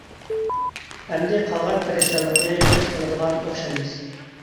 ئەمدى قالغان تىرىشچانلىقنى بىز قىلىدىغان ئوخشايمىز.